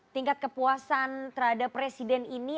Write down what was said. tingkat kepuasan terhadap presiden ini